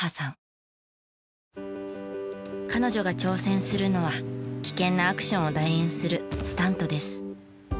彼女が挑戦するのは危険なアクションを代演するスタントです。